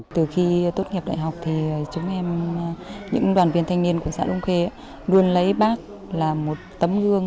từ khi tốt nghiệp đại học thì chúng em những đoàn viên thanh niên của xã đông khê luôn lấy bác là một tấm gương